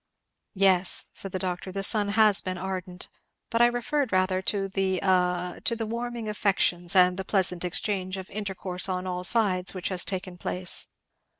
"Yes," said the doctor, "the sun has been ardent; but I referred rather to the a to the warming of affections, and the pleasant exchange of intercourse on all sides which has taken place.